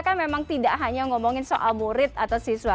kan memang tidak hanya ngomongin soal murid atau siswa